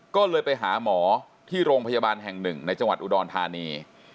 ก็เลยไปหาหมอที่โรงพยาบาลแห่งหนึ่งในจังหวัดอุดรธานี